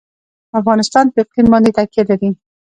افغانستان په اقلیم باندې تکیه لري.